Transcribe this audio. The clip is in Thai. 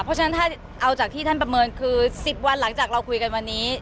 เพราะฉะนั้นถ้าเอาจากที่ท่านประเมินคือ๑๐วันหลังจากเราคุยกันวันนี้